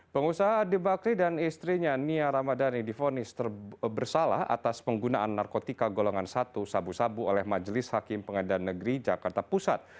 pengusaha ade bakri dan istrinya nia ramadhani difonis bersalah atas penggunaan narkotika golongan satu sabu sabu oleh majelis hakim pengadilan negeri jakarta pusat